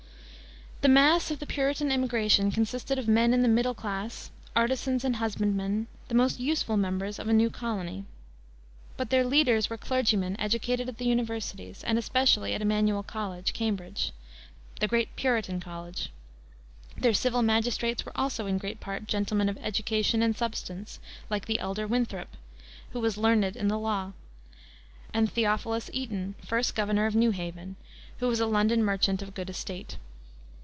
The mass of the Puritan immigration consisted of men of the middle class, artisans and husbandmen, the most useful members of a new colony. But their leaders were clergymen educated at the universities, and especially at Emanuel College, Cambridge, the great Puritan college; their civil magistrates were also in great part gentlemen of education and substance, like the elder Winthrop, who was learned in the law, and Theophilus Eaton, first governor of New Haven, who was a London merchant of good estate.